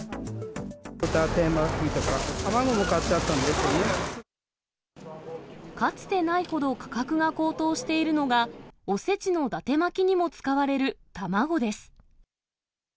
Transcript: だて巻きとか、かつてないほど価格が高騰しているのが、おせちのだて巻きにも使われる卵です。